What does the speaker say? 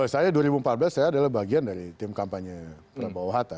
saya dua ribu empat belas saya adalah bagian dari tim kampanye prabowo hatta